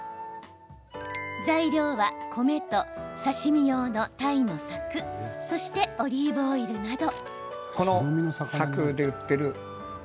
材料は米と刺身用の鯛のさくそして、オリーブオイルなど。